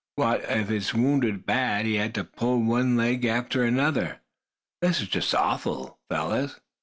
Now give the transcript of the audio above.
What if he's wounded so bad he had to pull one leg after him? This is just awful, fellers.